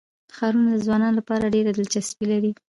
ښارونه د ځوانانو لپاره ډېره دلچسپي لري.